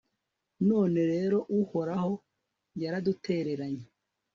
none rero uhoraho yaradutereranye